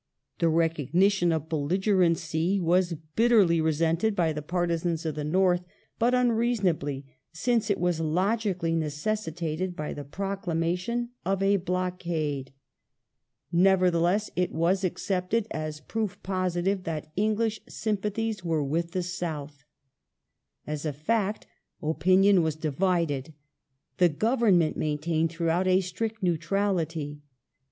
The recognition of belligerency was bitterly resented by the partisans of the North, but unreason ably, since it was logically necessitated by the proclamation of a " blockade ". Nevertheless, it was accepted as proof positive that EnglisK'opintDn4« sympathies were with the South. As a fact opinion was divided. ^"S'and The Government maintained throughout a strict neutrality.